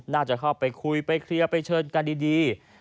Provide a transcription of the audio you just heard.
น่าจะเข้าไปคุยไปเคลียร์ไปเชิญกันดี